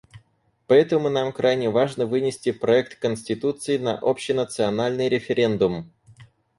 Поэтому нам крайне важно вынести проект конституции на общенациональный референдум.